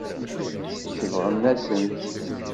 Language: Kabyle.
Sebɣen-asent-t.